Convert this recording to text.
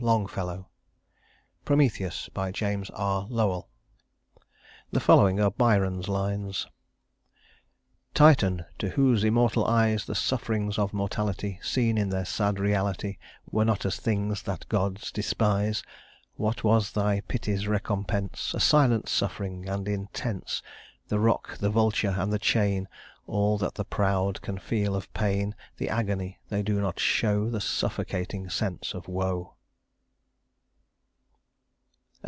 LONGFELLOW Prometheus JAMES R LOWELL The following are Byron's lines: "Titan! to whose immortal eyes The sufferings of mortality, Seen in their sad reality, Were not as things that gods despise; What was thy pity's recompense? A silent suffering, and intense; The rock, the vulture, and the chain; All that the proud can feel of pain; The agony they do not show; The suffocating sense of woe."